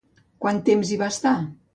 Quant temps hi va estar?